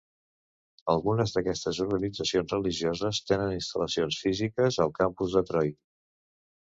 Algunes d'aquestes organitzacions religioses tenen instal·lacions físiques al campus de Troy.